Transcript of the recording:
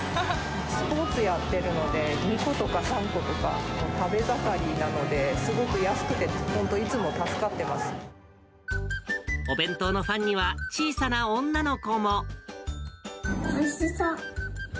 スポーツやっているので、２個とか３個とか食べ盛りなので、すごく安くて、お弁当のファンには、小さなおいしそう。